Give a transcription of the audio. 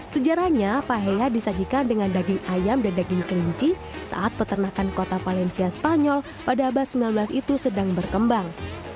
sejarahnya pahela disajikan dengan daging ayam dan daging kelinci saat peternakan kota valencia spanyol pada abad sembilan belas itu sedang berkembang